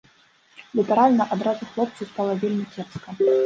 Літаральна адразу хлопцу стала вельмі кепска.